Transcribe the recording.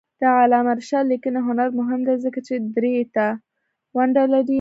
د علامه رشاد لیکنی هنر مهم دی ځکه چې دري ته ونډه لري.